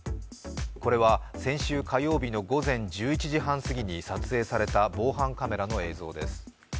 これは先週火曜日の午前１１時半過ぎに撮影された防犯カメラの映像です。